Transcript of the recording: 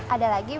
ada lagi bu